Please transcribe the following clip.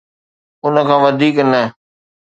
ان کان وڌيڪ نه.